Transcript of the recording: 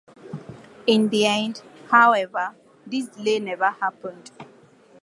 In the end, however, this delay never happened.